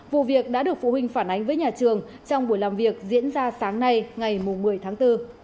vụ việc đã được phụ huynh phản ánh với nhà trường trong buổi làm việc diễn ra sáng nay ngày một mươi tháng bốn